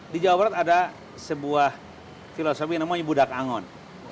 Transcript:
di jawa barat ada sebuah filosofi yang namanya budak angon